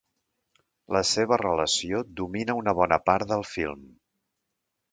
La seva relació domina una bona part del film.